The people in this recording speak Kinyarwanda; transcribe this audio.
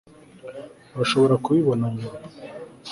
urashobora kubikora nyuma